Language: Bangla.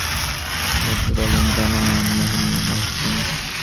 মশিউর নাহিনের কিছু জানেন না বলে জানান।